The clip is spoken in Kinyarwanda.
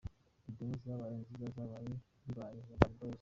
Video yabaye nziza yabaye “Bibaye” ya Urban Boys.